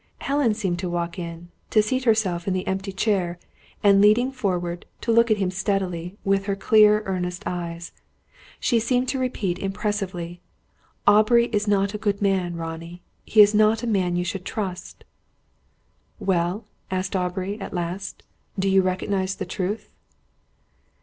Helen seemed to walk in, to seat herself in the empty chair; and, leaning forward, to look at him steadily, with her clear earnest eyes. She seemed to repeat impressively: "Aubrey is not a good man, Ronnie. He is not a man you should trust." "Well?" asked Aubrey, at last. "Do you recognise the truth?"